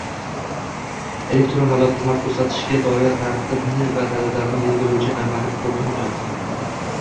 — elektron davlat xizmati ko‘rsatishga doir tartibni va talablarni belgilovchi normativ-huquqiy hujjat;